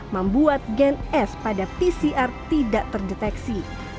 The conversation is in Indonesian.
membuat gen s pada pcr tidak terdeteksi